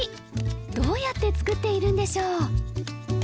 どうやって作っているんでしょう？